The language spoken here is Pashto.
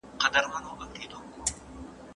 د مطالعې اړتیا باید د مرستې په توګه احساس شي.